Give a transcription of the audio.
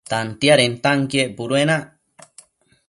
Tantiadentanquien puduenac